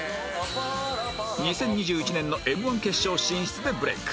２０２１年の Ｍ−１ 決勝進出でブレイク